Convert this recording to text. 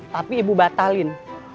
tapi ibu batalin